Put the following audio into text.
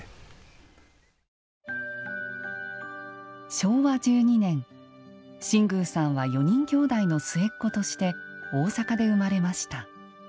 昭和１２年新宮さんは４人兄弟の末っ子として大阪で生まれました。